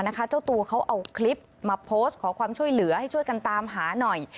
เจ้าตัวเขาเอาคลิปมาโพสต์ขอความช่วยเหลือให้ช่วยกันตามหาหน่อย